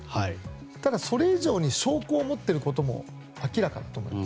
ただ、それ以上に証拠を持っていることも明らかだと思うんです。